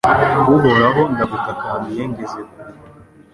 Uhoraho ndagutakambira ngeze kure